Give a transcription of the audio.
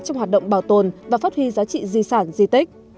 trong hoạt động bảo tồn và phát huy giá trị di sản di tích